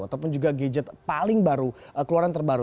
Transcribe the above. ataupun juga gadget paling baru keluaran terbaru